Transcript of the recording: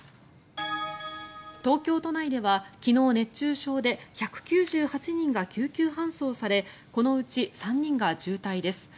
東京都内では昨日、熱中症で１９８人が救急搬送されこのうち３人が重体です。